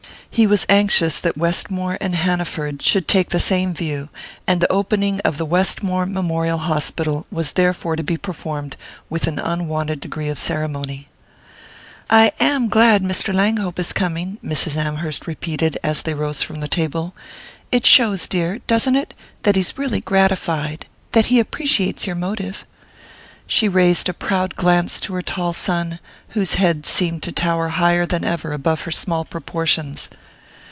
He was anxious that Westmore and Hanaford should take the same view; and the opening of the Westmore Memorial Hospital was therefore to be performed with an unwonted degree of ceremony. "I am glad Mr. Langhope is coming," Mrs. Amherst repeated, as they rose from the table. "It shows, dear doesn't it? that he's really gratified that he appreciates your motive...." She raised a proud glance to her tall son, whose head seemed to tower higher than ever above her small proportions.